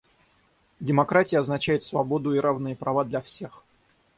Демократия означает свободу и равные права для всех.